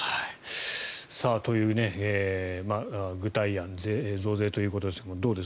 という具体案増税ということですがどうです？